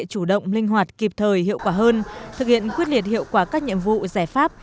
chủ động linh hoạt kịp thời hiệu quả hơn thực hiện quyết liệt hiệu quả các nhiệm vụ giải pháp